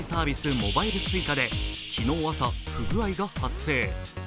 モバイルＳｕｉｃａで昨日朝、不具合が発生。